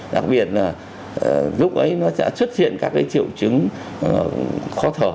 đặc biệt là lúc ấy nó sẽ xuất hiện các cái triệu chứng khó thở